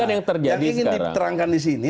yang ingin diterangkan disini